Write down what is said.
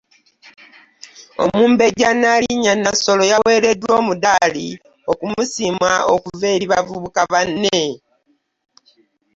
Omumbejja Nnaalinnya Nassolo yaweereddwa omudaali okumusiima okuva eri bavubuka banne .